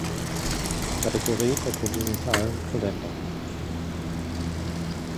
Kategorie der kontinentalen Kalender.